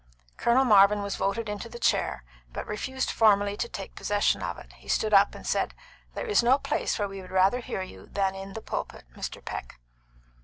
Colonel Marvin was voted into the chair, but refused formally to take possession of it. He stood up and said, "There is no place where we would rather hear you than in that pulpit, Mr. Peck."